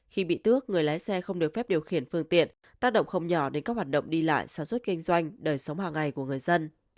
khi bị tước người lái xe không được phép điều khiển phương tiện tác động không nhỏ đến các hoạt động đi lại sản xuất kinh doanh đời sống hàng ngày của người dân